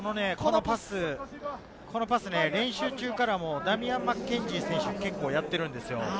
このパス、練習中からダミアン・マッケンジー選手と結構やっているんですよ。